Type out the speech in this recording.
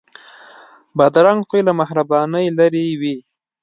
بدرنګه خوی له مهربانۍ لرې وي